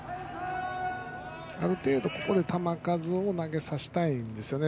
ある程度ここで球数を投げさせたいんですよね。